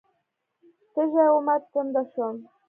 تږې ومه، تنده شوم